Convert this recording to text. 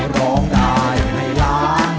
ร้องได้ให้ล้าน